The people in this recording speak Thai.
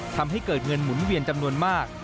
ทำให้เกิดเงินหมุนเวียนจำนวนมาก